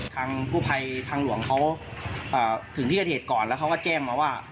ทางกู้ภัยทางหลวงเขาถึงที่เกิดเหตุก่อนแล้วเขาก็แจ้งมาว่า